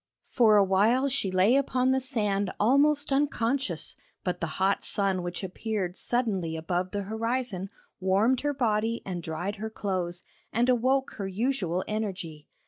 For a while she lay upon the sand almost unconscious, but the hot sun which appeared suddenly above the horizon warmed her body and dried her clothes, and awoke her usual energy.